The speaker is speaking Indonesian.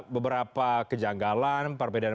beberapa kejanggalan perbedaan